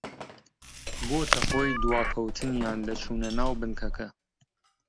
بۆتە هۆی دواکەوتنیان لە چوونە ناو بنکەکە